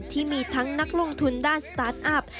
ที่มีทั้งนักลงทุนด้านสตาร์ทอัพ